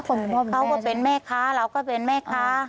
เพราะเขาก็เป็นแม่ค้าเราก็เป็นแม่ค้า